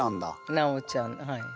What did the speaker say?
なおちゃんはい。